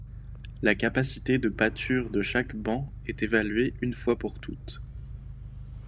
La capacité de pâture de chaque ban est évaluée une fois pour toutes.